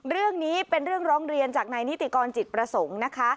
เรื่องนี้เป็นเรื่องร้องเรียนจากนายนิติกรจิตประสงค์นะคะ